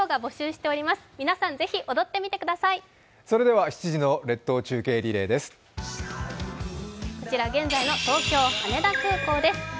それでは７時の列島中継リレーです。